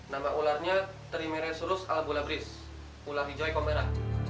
nama ularnya trimeresurus albulabris ular hijau ekomera